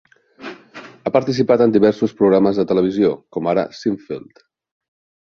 Ha participat en diversos programes de televisió, com ara "Seinfeld".